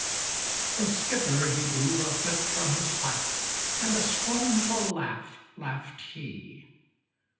The skipper, he blew a whiff from his pipe, And a scornful laugh laughed he.